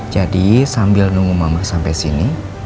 jadi sambil nunggu mama sampai sini